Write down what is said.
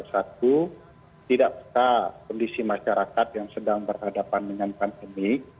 satu tidak peta kondisi masyarakat yang sedang berhadapan dengan pandemi